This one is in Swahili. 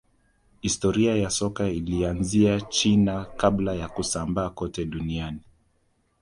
historia ya soka ilianzia china kabla ya kusambaa kote duniani